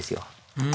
うん。